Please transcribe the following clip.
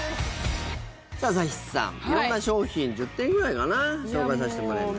さあ、朝日さん色んな商品、１０点くらいかな紹介させてもらいました。